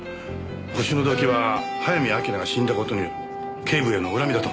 ホシの動機は早見明が死んだ事による警部への恨みだと思われる。